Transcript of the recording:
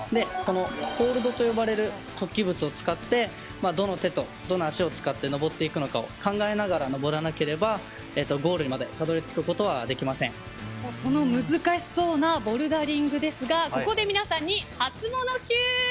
ホールドと呼ばれる突起物を使ってどの手と足を使って登っていくのかを考えながら登らなければゴールまでその難しそうなボルダリングですがここで皆さんにハツモノＱ！